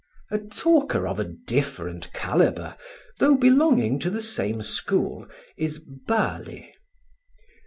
A talker of a different calibre, though belonging to the same school, is Burly.